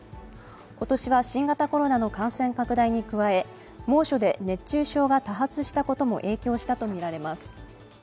今年は新型コロナの感染拡大に加え猛暑で熱中症が多発したことも影響したとみられます。